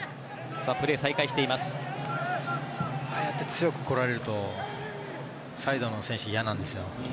ああやって強く来られるとサイドの選手は嫌なんですよ。